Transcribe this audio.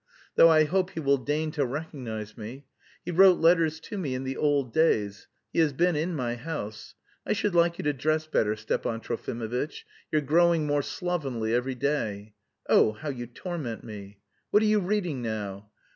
Though I hope he will deign to recognise me. He wrote letters to me in the old days, he has been in my house. I should like you to dress better, Stepan Trofimovitch; you're growing more slovenly every day.... Oh, how you torment me! What are you reading now?"